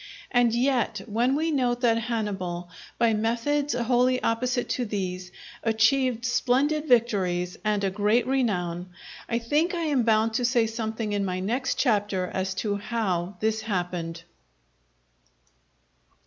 And yet when we note that Hannibal, by methods wholly opposite to these, achieved splendid victories and a great renown, I think I am bound to say something in my next Chapter as to how this happened.